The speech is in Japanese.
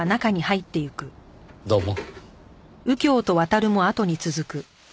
どうも。